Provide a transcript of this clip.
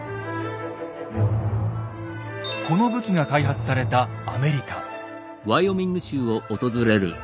この武器が開発されたアメリカ。